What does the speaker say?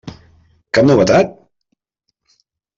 Cap novetat?